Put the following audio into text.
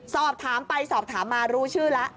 สอบถามไปหรูชื่อละ